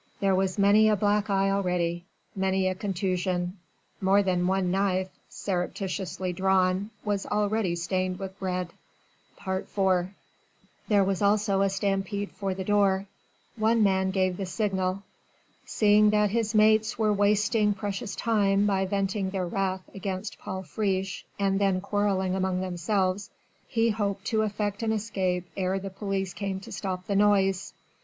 There was many a black eye already, many a contusion: more than one knife surreptitiously drawn was already stained with red. IV There was also a stampede for the door. One man gave the signal. Seeing that his mates were wasting precious time by venting their wrath against Paul Friche and then quarrelling among themselves, he hoped to effect an escape ere the police came to stop the noise.